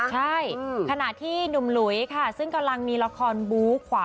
ใช่ขณะที่หนุ่มหลุยค่ะซึ่งกำลังมีละครบู๊ขวา